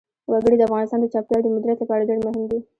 وګړي د افغانستان د چاپیریال د مدیریت لپاره ډېر مهم دي.